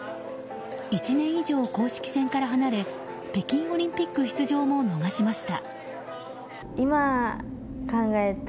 １年以上、公式戦から離れ北京オリンピック出場も逃しました。